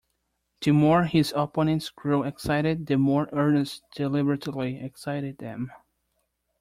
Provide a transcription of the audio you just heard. The more his opponents grew excited, the more Ernest deliberately excited them.